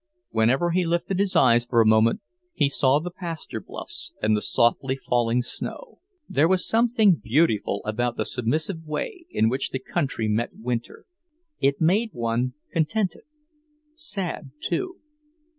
Whenever he lifted his eyes for a moment, he saw the pasture bluffs and the softly falling snow. There was something beautiful about the submissive way in which the country met winter. It made one contented, sad, too.